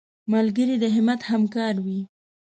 ملګری د همت همکار وي